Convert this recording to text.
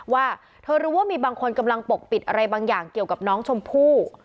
ว่าเธอรู้ว่ามีบางคนกำลังปกปิดอะไรบางอย่างเกี่ยวกับน้องชมพู่